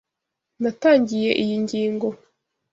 Natangiye iyi ngingo.